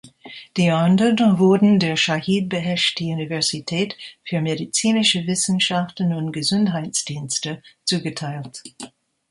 Die andern wurden der Schahid-Beheschti-Universität für Medizinische Wissenschaften und Gesundheitsdienste zugeteilt.